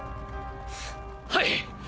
はい！